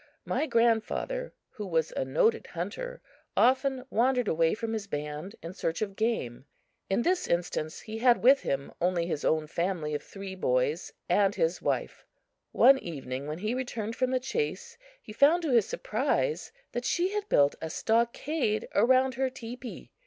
My grandfather, who was a noted hunter, often wandered away from his band in search of game. In this instance he had with him only his own family of three boys and his wife. One evening, when he returned from the chase, he found to his surprise that she had built a stockade around her teepee.